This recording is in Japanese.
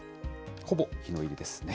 ほぼ日の入りですね。